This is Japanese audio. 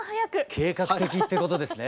計画的ってことですね。